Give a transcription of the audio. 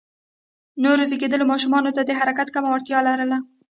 نوو زېږیدليو ماشومان د حرکت کمه وړتیا لرله.